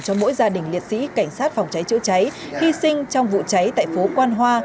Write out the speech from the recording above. cho mỗi gia đình liệt sĩ cảnh sát phòng cháy chữa cháy hy sinh trong vụ cháy tại phố quan hoa